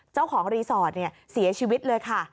เจ้าของรีสอร์ทเสียชีวิตเลยค่ะ